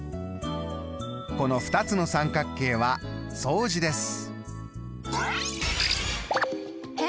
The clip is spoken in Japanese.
この２つの三角形は相似です。